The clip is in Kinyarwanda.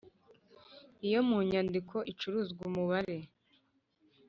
Iyo mu nyandiko icuruzwa umubare